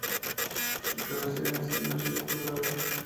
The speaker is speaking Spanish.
Su cabecera es San Luis Río Colorado.